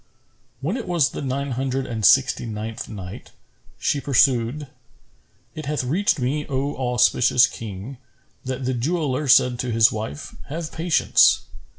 When it was the Nine Hundred and Sixty ninth Night, She pursued, It hath reached me, O auspicious King, that the jeweller said to his wife, "Have patience!